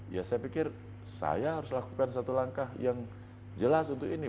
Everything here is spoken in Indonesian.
ya saya pikir saya harus lakukan satu langkah yang jelas untuk ini